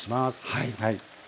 はい。